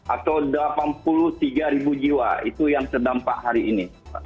atau delapan puluh tiga ribu jiwa itu yang terdampak hari ini